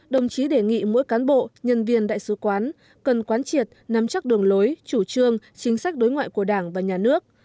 đồng chí đề nghị mỗi cán bộ nhân viên đại sứ quán cần quán triệt nắm chắc đường lối chủ trương chính sách đối ngoại của đảng và nhà nước